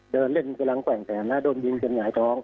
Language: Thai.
เดินเล่นเครื่องล้างแกว่งแผนและโดนยืนกับหายท้อง